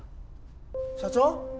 社長！？